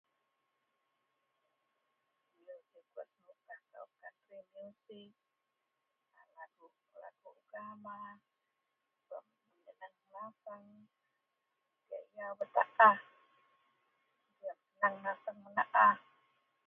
....unclear.....diak yau bak taah diak tan nasang menaah